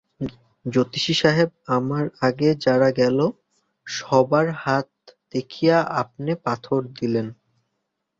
জ্যোতিষী সাহেব, আমার আগে যারা গেল, সবার হাত দেইখা আপনে পাথর দিলেন।